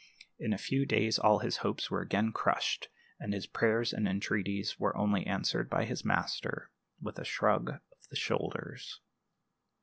In a few days all his hopes were again crushed, and his prayers and entreaties were only answered by his master with a shrug of the shoulders.